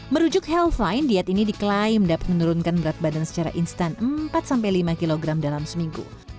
merujuk healthline diet ini diklaim dapat menurunkan berat badan secara instan empat lima kg dalam seminggu